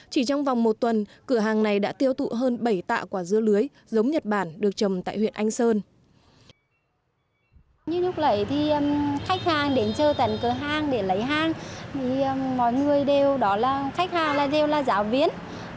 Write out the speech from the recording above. chỉ trong vòng một tuần cửa hàng này đã tiêu thụ hơn bảy tạ quả dưa lưới giống nhật bản được trồng tại huyện anh sơn